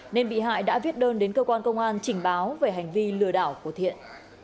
nên bị hại đã viết đơn đến cơ quan công an trình báo về hành vi lừa đảo của thiện